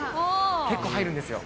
結構入るんですよ。